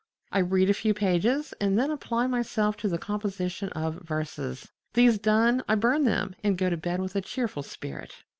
I read a few pages, and then apply myself to the composition of verses. These done, I burn them, and go to bed with a cheerful spirit.